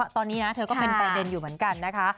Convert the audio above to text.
ตอนนี้นะเธอก็เป็นประเด็นอยู่เหมือนกันนะคะ